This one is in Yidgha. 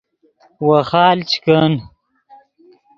ویخال چے کن